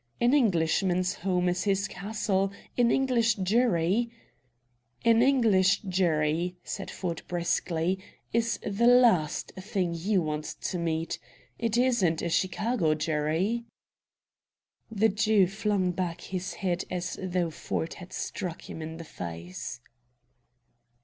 An Englishman's home is his castle; an English jury " "An English jury," said Ford briskly, "is the last thing you want to meet It isn't a Chicago jury." The Jew flung back his head as though Ford had struck him in the face.